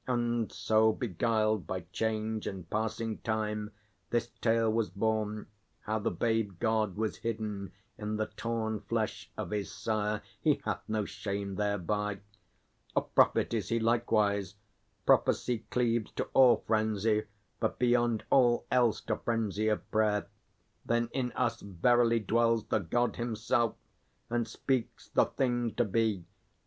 And so, beguiled By change and passing time, this tale was born, How the babe god was hidden in the torn Flesh of his sire. He hath no shame thereby. A prophet is he likewise. Prophecy Cleaves to all frenzy, but beyond all else To frenzy of prayer. Then in us verily dwells The God himself, and speaks the thing to be.